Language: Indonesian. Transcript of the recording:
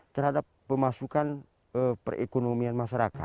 terhadap pemasukan perekonomian masyarakat